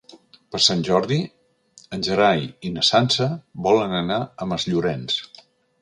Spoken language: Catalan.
Per Sant Jordi en Gerai i na Sança volen anar a Masllorenç.